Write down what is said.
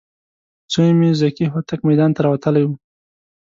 زوی مې ذکي هوتک میدان ته راوتلی و.